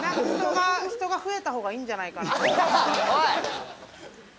人が増えたほうがいいんじゃないかなと。